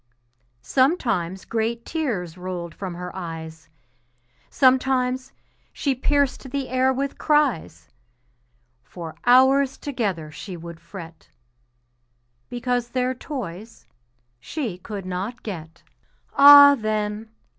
Sometimes great tears rolled from her eyes, Sometimes she pierced the air with cries, For hours together she would fret Because their toys she could not get. Ah, then!